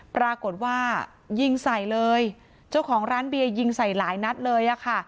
ปรากฏว่ายิงใส่เลยเจ้าของร้านเบียร์ยิงใส่หลายนัดเลยอะค่ะ